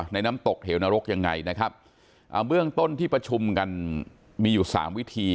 น้ำตกเหลวนรกยังไงนะครับอ่าเบื้องต้นที่ประชุมกันมีอยู่สามวิธี